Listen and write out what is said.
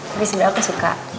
tapi sebenarnya aku suka